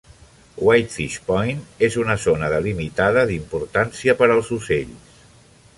Whitefish Point és una zona delimitada d'importància per als ocells.